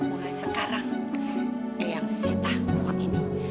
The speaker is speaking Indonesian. mulai sekarang eyang sitah uang ini